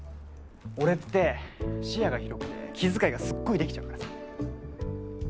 俺って視野が広くて気遣いがすっごいできちゃうからさ。